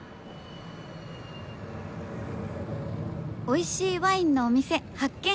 「美味しいワインのお店発見！」